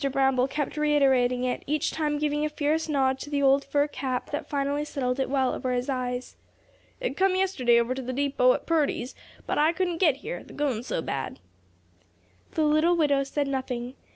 Bramble kept reiterating it, each time giving a fierce nod to the old fur cap that finally settled it well over his eyes. "It come yesterday over to the deepo at Purdy's, but I couldn't get here, th' goin's so bad." The little widow said nothing.